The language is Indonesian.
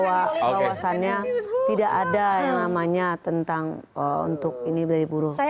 bahwa pengawasannya tidak ada yang namanya tentang untuk ini dari buruh